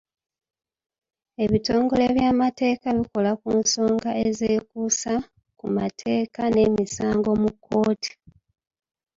Ebitongole by'amateeka bikola ku nsonga ezeekuusa ku mateeka n'emisango mu kkooti.